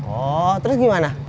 oh terus gimana